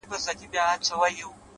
سیاه پوسي ده خاوند یې ورک دی!